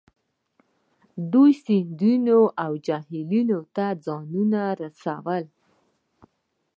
دوی سیندونو او جهیلونو ته ځانونه رسوي